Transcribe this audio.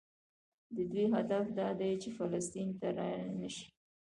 د دوی هدف دا دی چې فلسطین ته رانشي.